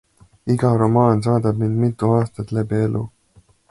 Iga romaan saadab mind mitu aastat läbi elu.